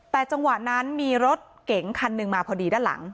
แต่จังหวะนั้นมีรถเก๋งคันหนึ่งมาพอดีด้านหลัง